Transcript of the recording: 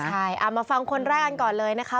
ใช่มาฟังคนแรกก่อนเลยนะคะ